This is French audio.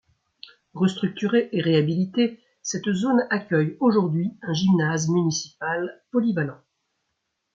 Restructurée et réhabilitée, cette zone accueille aujourd'hui un gymnase municipal polyvalent.